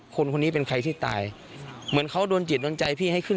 คนคนนี้เป็นใครที่ตายเหมือนเขาโดนจิตโดนใจพี่ให้ขึ้น